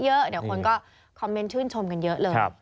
เยอะเดี๋ยวคนก็คอมเมนต์ชื่นชมกันเยอะเลย